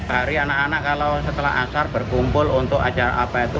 hari anak anak kalau setelah akar berkumpul untuk acara apa itu